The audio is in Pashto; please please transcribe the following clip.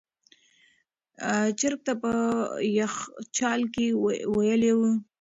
چرګ تل په یخچال کې ویلوئ.